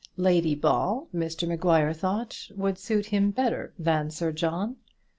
Lady Ball, Mr Maguire thought, would suit him better than Sir John.